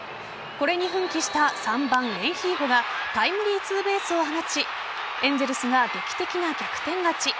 これに奮起した３番・レンヒーフォがタイムリーツーベースを放ちエンゼルスが劇的な逆転勝ち。